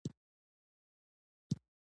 د اصلاحاتو په ځای د عادت له مخې چارې پيلوي.